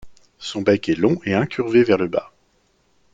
Son bec est long et incurvé vers le bas.